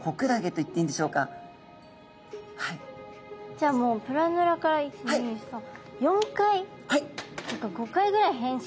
じゃあもうプラヌラから１２３４回とか５回ぐらい変身。